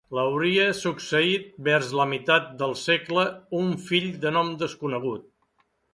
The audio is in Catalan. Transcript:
L'hauria succeït vers la meitat del segle un fill de nom desconegut.